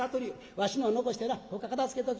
わしのを残してなほか片づけとき」。